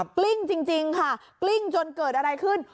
กลิ้งจริงค่ะกลิ้งจนเกิดอะไรขึ้น